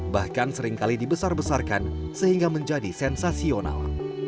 bahkan seringkali dibesar besarkan sehingga menjadi sensasional